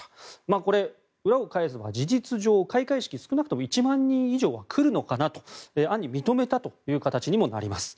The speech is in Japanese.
これ、裏を返せば事実上、開会式は少なくとも１万人以上は来るのかなと暗に認めたという形にもなります。